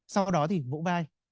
sau đó thì vỗ vai